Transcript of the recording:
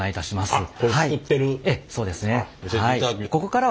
あっ。